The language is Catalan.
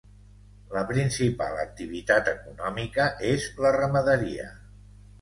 La principal activitat econòmica és la ramaderia.